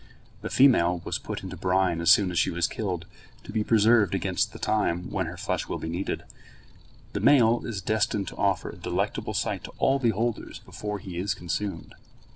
The female was put into brine as soon as she was killed, to be preserved against the time when her flesh will be needed. The male is destined to offer a delectable sight to all beholders before he is consumed.